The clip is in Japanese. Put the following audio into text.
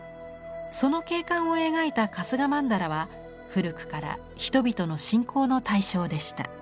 その景観を描いた春日曼荼羅は古くから人々の信仰の対象でした。